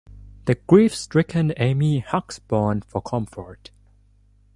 The grief-stricken Amy hugs Bond for comfort.